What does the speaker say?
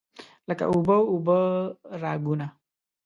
لکه اوبه، اوبه راګونه